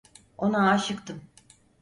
Ona aşıktım.